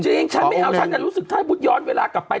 จริงฉันไม่เอาฉันจะรู้สึกท่ายบุตรย้อนเวลากลับไป